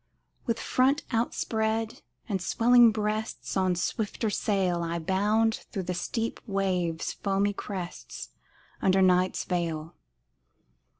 With front outspread and swelling breasts, On swifter sail I bound through the steep waves' foamy crests Under night's veil.